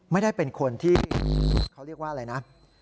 ไม่ได้เป็นคนที่เขาเรียกว่าอะไรนะ